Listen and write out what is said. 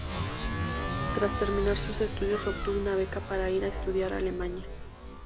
Tras terminar sus estudios obtuvo una beca para ir a estudiar a Alemania.